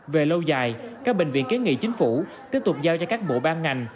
về lâu dài các bệnh viện kiến nghị chính phủ tiếp tục giao cho các bộ ban ngành